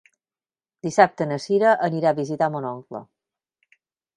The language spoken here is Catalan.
Dissabte na Sira anirà a visitar mon oncle.